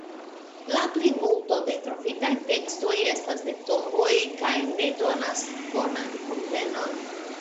La plimulto de trovitaj tekstoj estas de tomboj kaj ne donas bonan komprenon.